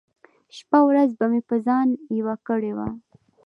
شپه ورځ به مې په ځان يوه کړې وه .